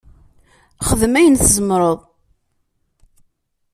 Xdem ayen tzemreḍ.